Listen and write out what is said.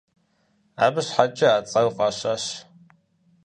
Абы щхьэкӀэ а цӀэр фӀащащ.